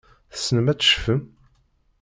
Tessnem ad tecfem?